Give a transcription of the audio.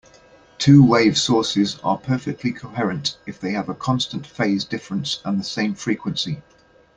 Two-wave sources are perfectly coherent if they have a constant phase difference and the same frequency.